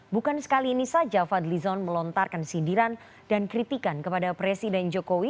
bukan sekali ini saja fadlizon melontarkan sindiran dan kritikan kepada presiden jokowi